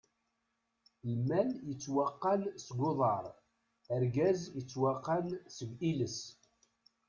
Lmal yettwaqqan seg uḍaṛ, argaz yettwaqqan seg iles!